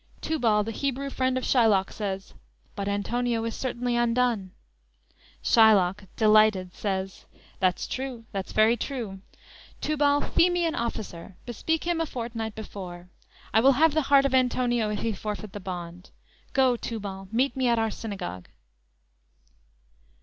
"_ Tubal, the Hebrew friend of Shylock, says: "But Antonio is certainly undone." Shylock delighted says: _"That's true, that's very true. Tubal, fee me an officer; bespeak him a fortnight before. I will have the heart of Antonio if he forfeit the bond. Go, Tubal, meet me at our synagogue."